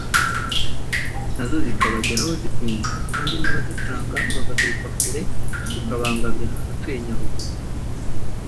na zo zikabageraho zitinze kandi n’abazitanga bagaturuka kure bikabangamira abatuye Nyaruguru